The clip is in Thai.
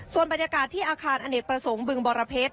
ส่วนบรรยากาศที่อาคารอเนกประสงค์บึงบรเพชร